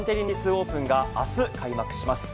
オープンがあす、開幕します。